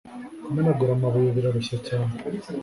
Kumenagura amabuye birarushya cyane